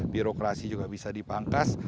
birokrasi juga bisa dipangkas